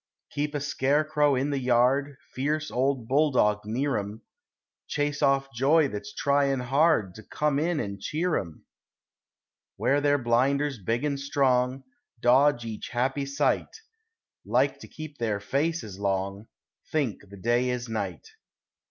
Keep a scarecrow in the yard, Fierce old bulldog near 'em; Chase off joy that's tryin' hard To come in an' cheer 'em. Wear their blinders big and strong, Dodge each happy sight; Like to keep their faces long; Think the day is night.